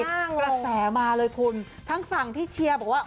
กระแสมาเลยคุณทั้งฝั่งที่เชียร์บอกว่า